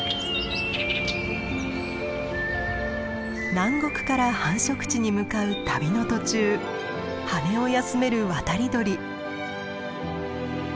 南国から繁殖地に向かう旅の途中羽を休める渡り鳥。